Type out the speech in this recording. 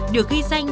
được ghi danh